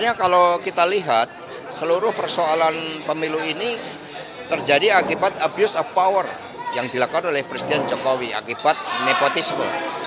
yang dilakukan oleh presiden jokowi akibat nepotisme